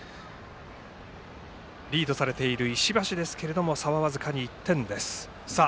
リードされている石橋ですけれども差は僅かに１点です。